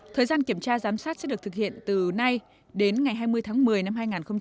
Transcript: thời gian kiểm tra giám sát sẽ được thực hiện từ nay đến ngày hai mươi tháng một mươi năm hai nghìn hai mươi